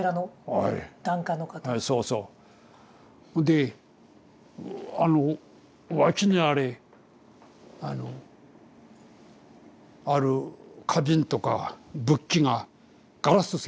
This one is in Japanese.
であの脇にあれあのある花瓶とか仏器がガラス製なんだよ。